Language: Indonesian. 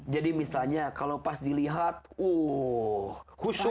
jadi misalnya kalau pas dilihat uh khusyuk